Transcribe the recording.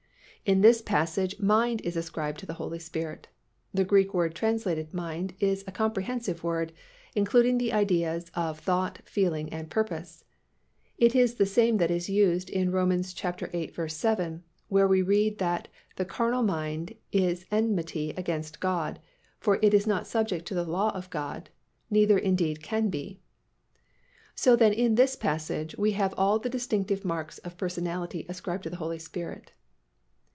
In this passage mind is ascribed to the Holy Spirit. The Greek word translated "mind" is a comprehensive word, including the ideas of thought, feeling and purpose. It is the same that is used in Rom. viii. 7 where we read that "the carnal mind is enmity against God: for it is not subject to the law of God, neither indeed can be." So then in this passage we have all the distinctive marks of personality ascribed to the Holy Spirit.